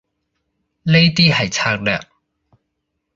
呢啲係策略